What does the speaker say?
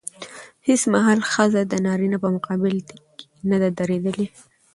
هېڅ مهال ښځه د نارينه په مقابل کې نه ده درېدلې.